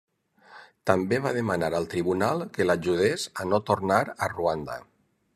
També va demanar al tribunal que l'ajudés a no tornar a Ruanda.